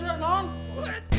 buat anak istri